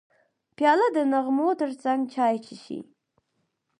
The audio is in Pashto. پیاله د نغمو ترڅنګ چای څښي.